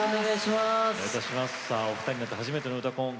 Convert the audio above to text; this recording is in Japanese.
２人になって初めての「うたコン」